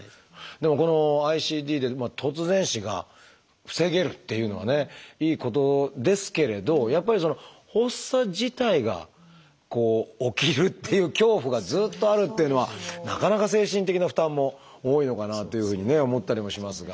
でもこのＩＣＤで突然死が防げるっていうのはねいいことですけれどやっぱり発作自体が起きるっていう恐怖がずっとあるっていうのはなかなか精神的な負担も多いのかなというふうにね思ったりもしますが。